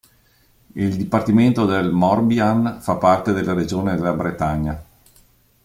Il dipartimento del Morbihan fa parte della regione della Bretagna.